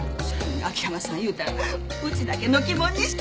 秋山さん言うたらうちだけのけ者にして。